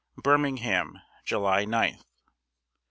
Birmingham, July 9th.